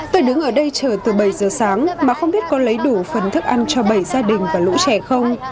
tôi đứng ở đây chờ từ bảy giờ sáng mà không biết có lấy đủ phần thức ăn cho bảy gia đình và lũ trẻ không